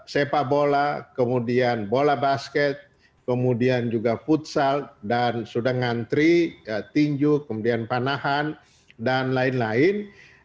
sepak bola kemudian bola basket kemudian juga futsal dan sudah ngantri tinju kemudian panahan dan lain lain